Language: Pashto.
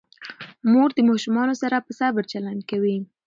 مور د ماشومانو سره په صبر چلند کوي.